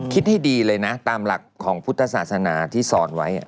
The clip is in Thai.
คิดให้ดีเลยนะตามหลักของพุทธศาสนาที่สอนไว้